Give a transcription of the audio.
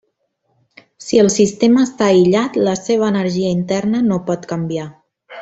Si el sistema està aïllat, la seva energia interna no pot canviar.